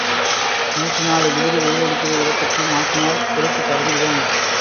நூற்று நாலு டிகிரி வெயிலடிக்கிற இடத்துக்கு மாத்தினால்... கொழுப்பு கரைஞ்சிடும்.